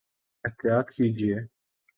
احطیاط کیجئے